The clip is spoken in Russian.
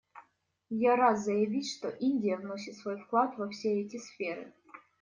Я рад заявить, что Индия вносит свой вклад во все эти сферы.